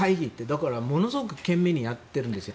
だから、ものすごく懸命にやっているんですよ。